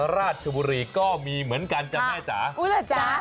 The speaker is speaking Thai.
ราชบุรีก็มีเหมือนกันจังแม่จ๋า